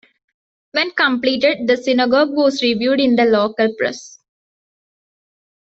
When completed, the synagogue was reviewed in the local press.